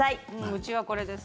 うちはこれです。